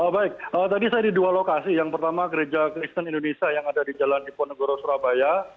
baik tadi saya di dua lokasi yang pertama gereja kristen indonesia yang ada di jalan iponegoro surabaya